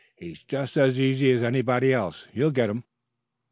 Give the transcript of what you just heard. "He's just as easy as anybody. You'll get him."